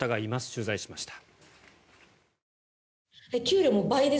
取材しました。